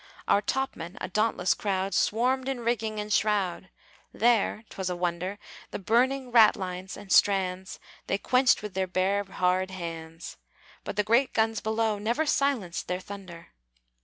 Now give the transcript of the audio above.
Our topmen, a dauntless crowd, Swarmed in rigging and shroud: There ('twas a wonder!) The burning ratlines and strands They quenched with their bare, hard hands; But the great guns below Never silenced their thunder.